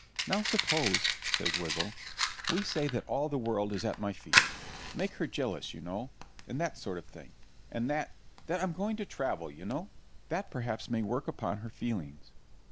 'Now suppose,' says Wiggle, 'we say that all the world is at my feet make her jealous, you know, and that sort of thing and that that I'm going to TRAVEL, you know? That perhaps may work upon her feelings.'